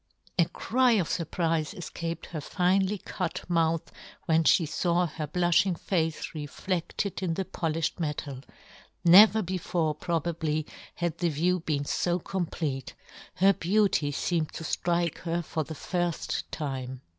" A cry of furprife efcaped her finely " cut mouth when fhe faw her blufh " ing face refledled in the polifhed " metal ; never before probably had yohn Gutenberg. 131 " the view been fo complete ; her " beauty feemed to ftrike her for the " firft time.